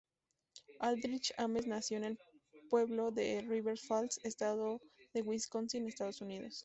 Aldrich Ames nació en el pueblo de River Falls, estado de Wisconsin, Estados Unidos.